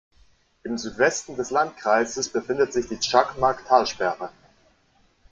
Im Südwesten des Landkreises befindet sich die Çakmak-Talsperre.